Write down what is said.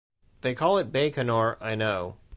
They call it Baykonur, I know.